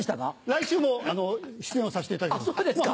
来週も出演をさせていただきます。